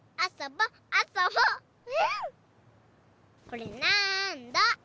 これなんだ？